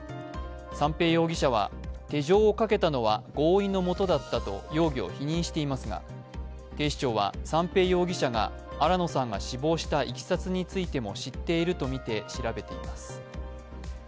三瓶容疑者は手錠をかけたのは合意のもとだったと容疑を否認していますが警視庁は三瓶容疑者が新野さんが死亡したいきさつについても知っているとみて調べています。